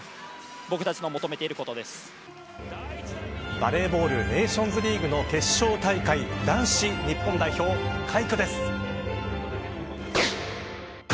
バレーボールネーションズリーグの決勝大会男子、日本代表快挙です。